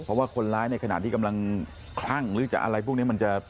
เพราะว่าคนร้ายในขณะที่กำลังคลั่งหรือจะอะไรพวกนี้มันจะ